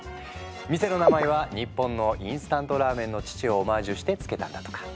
店の名前は日本のインスタントラーメンの父をオマージュして付けたんだとか。